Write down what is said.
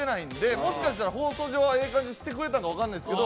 もしかしたら放送上はええ感じにしてくれたか分かんないですけど。